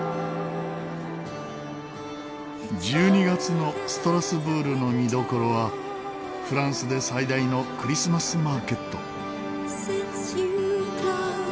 １２月のストラスブールの見どころはフランスで最大のクリスマスマーケット。